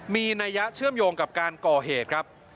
มีนัยยะเชื่อมโยงกับการก่อเหตุครับ